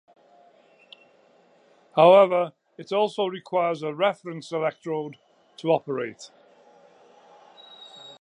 However, it also requires a reference electrode to operate.